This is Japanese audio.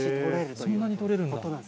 そんなに取れるんだ。